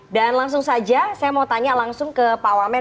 dan langsung saja saya mau tanya langsung ke pak wamen